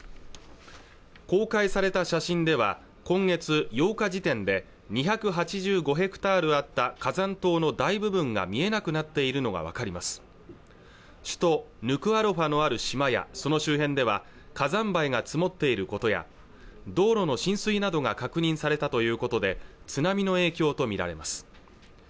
公開された写真では今月８日時点で２８５ヘクタールあった火山島の大部分が見えなくなっているのが分かります首都ヌクアロファのある島やその周辺では火山灰が積もっていることや道路の浸水などが確認されたということで津波の影響と見られます